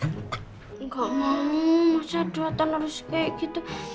gak mau masa duatan harus kayak gitu